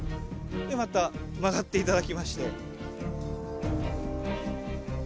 でまた曲がって頂きまして。